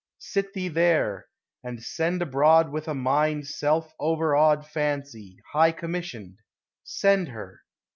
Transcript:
Sit thee there, and send abroad With a mind self overawed Fancy, high commissioned :— send her